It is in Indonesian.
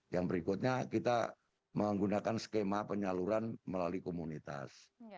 yang berikutnya kita menggunakan skema penyaluran melalui komunitas